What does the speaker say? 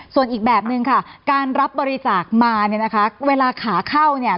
ส่วนอีกแบบนึงค่ะการรับบริจาคมาเนี่ยนะคะเวลาขาเข้าเนี่ย